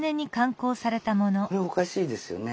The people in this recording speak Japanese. これおかしいですよね。